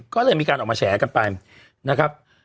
ก็เลยมีการออกมาแฉกันไปนะครับ